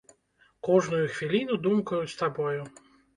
Кожную хвіліну думкаю з табою.